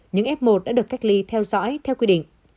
những f một đã được cách ly theo dõi theo quy định